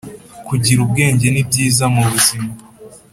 kugira ubwenge ni byiza mu buzima